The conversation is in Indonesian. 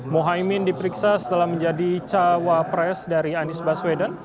mohaimin diperiksa setelah menjadi cawa pres dari anies baswedan